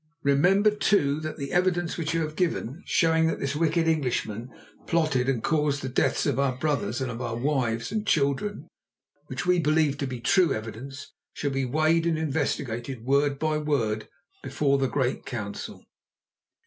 Remember, too, that the evidence which you have given, showing that this wicked Englishman plotted and caused the deaths of our brothers and of our wives and children, which we believe to be true evidence, shall be weighed and investigated word by word before the great council."